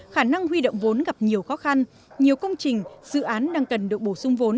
khả năng huy động vốn gặp nhiều khó khăn nhiều công trình dự án đang cần được bổ sung vốn